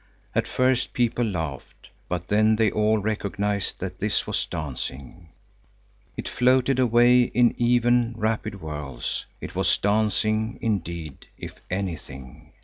At first people laughed, but then they all recognized that this was dancing. It floated away in even, rapid whirls; it was dancing indeed, if anything.